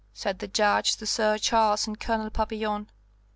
said the Judge to Sir Charles and Colonel Papillon.